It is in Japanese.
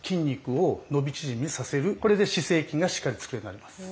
これで姿勢筋がしっかりつくようになります。